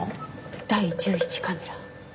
第１１カメラ。